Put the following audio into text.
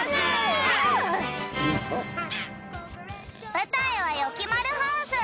ぶたいはよきまるハウス。